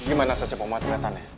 gimana sesi pembahasannya